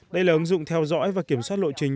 đây là ứng dụng theo dõi và kiểm soát lộ trình